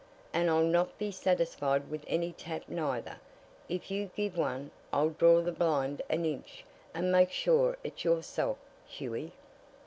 "And I'll not be satisfied with any tap, neither. If you give one, I'll draw the blind an inch, and make sure it's yourself, Hughie."